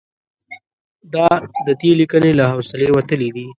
دا د دې لیکنې له حوصلې وتلي دي.